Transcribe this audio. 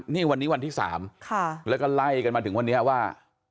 นี่วันนี้วันที่๓แล้วก็ไล่กันมาถึงวันนี้ว่า